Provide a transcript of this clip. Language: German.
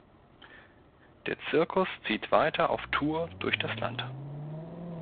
Der Zirkus zieht weiter auf Tour durch das Land.